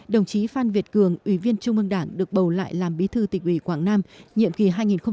đồng chí phan việt cường ủy viên trung ương đảng được bầu lại làm bí thư tỉnh ủy quảng nam nhiệm kỳ hai nghìn hai mươi hai nghìn hai mươi năm